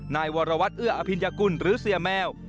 นายวรวัตรเอื้ออภิญยกุลหรือเสียแมว